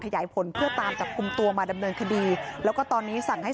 ขยายผลเพื่อตามจับกลุ่มตัวมาดำเนินคดีแล้วก็ตอนนี้สั่งให้